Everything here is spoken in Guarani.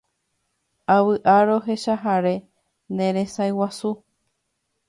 Avy'a rohecháre neresãiguasu